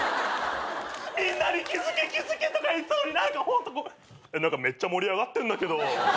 みんなに気付け気付けとか言ってたのに何かホント何かめっちゃ盛り上がってんだけど。